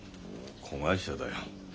子会社だよ。